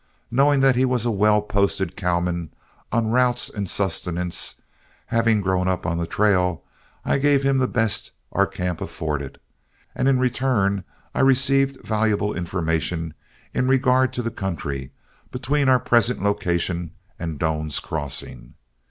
Knowing that he was a well posted cowman on routes and sustenance, having grown up on the trail, I gave him the best our camp afforded, and in return I received valuable information in regard to the country between our present location and Doan's Crossing.